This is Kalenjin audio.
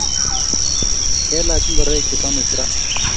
Kelaj ngoroik che samis raaa